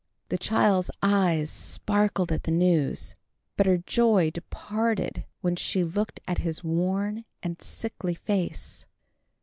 The child's eyes sparkled at the news, but her joy departed when she looked at his worn and sickly face.